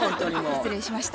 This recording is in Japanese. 失礼しました。